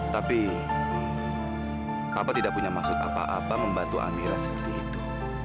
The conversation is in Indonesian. tapi papa tidak punya maksud apa apa membantu amila seperti itu